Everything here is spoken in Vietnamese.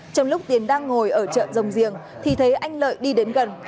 trong lúc tiền đang ngồi ở chợ rồng riềng thì thấy anh lợi đi đến gần